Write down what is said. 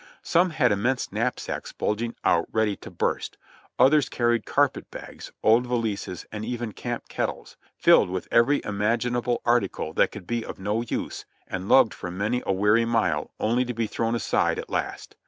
Some had immense knapsacks bulging out ready to burst ; others carried carpet bags, old valises and even camp kettles, filled with every imaginable article that could be of no use, and lugged for many a weary mile only to be thrown aside at last.